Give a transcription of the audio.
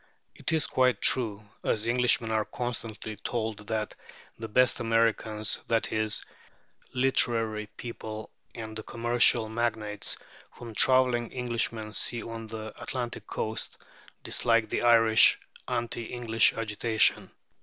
It is quite true, as Englishmen are constantly told, that "the best Americans," that is, the literary people and the commercial magnates, whom travelling Englishmen see on the Atlantic coast, dislike the Irish anti English agitation.